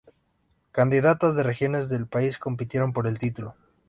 Candidatas de regiones del país compitieron por el título.